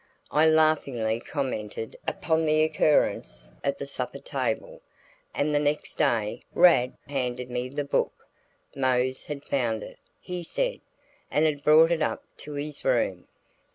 I laughingly commented upon the occurrence at the supper table and the next day Rad handed me the book; Mose had found it, he said, and had brought it up to his room.